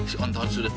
si on top sudah